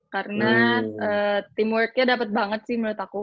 karena teamworknya dapet banget sih menurut aku